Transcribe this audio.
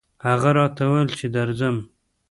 هغه راته وويل چې درځم